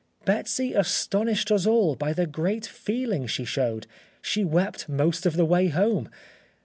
"Betsy astonished us all by the great feeling she showed. She wept most of the way home....